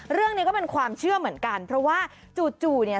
เรื่องนี้ก็เป็นความเชื่อเหมือนกันเพราะว่าจู่จู่เนี่ย